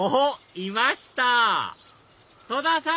いました戸田さん！